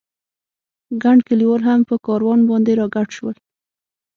ګڼ کلیوال هم په کاروان باندې را ګډ شول.